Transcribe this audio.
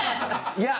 いや。